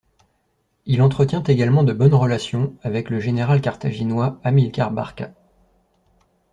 Il entretient également de bonnes relations avec le général carthaginois Hamilcar Barca.